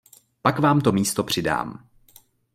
Pak vám to místo přidám.